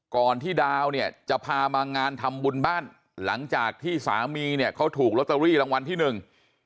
ที่ดาวเนี่ยจะพามางานทำบุญบ้านหลังจากที่สามีเนี่ยเขาถูกลอตเตอรี่รางวัลที่หนึ่ง